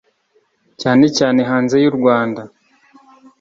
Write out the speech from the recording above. cyane cyane hanze y’u Rwanda